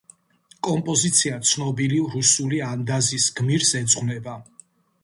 კომპოზიცია ცნობილი რუსული ანდაზის გმირს ეძღვნება.